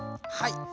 はい。